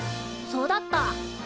そうだった。